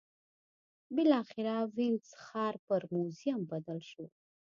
بالاخره وینز ښار پر موزیم بدل شو